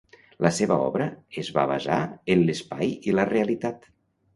La seva obra es va basar en l'espai i la realitat.